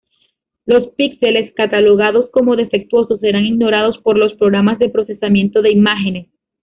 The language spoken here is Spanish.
Los píxeles catalogados como defectuosos serán ignorados por los programas de procesamiento de imágenes.